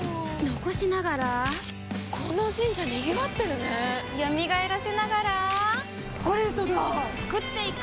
残しながらこの神社賑わってるね蘇らせながらコレドだ創っていく！